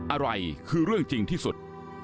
อะไรคือเรื่องจริงที่สุด